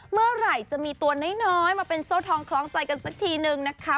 เมื่อไหร่จะมีตัวน้อยมาเป็นโซ่ทองคล้องใจกันสักทีนึงนะคะ